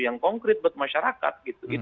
yang konkret buat masyarakat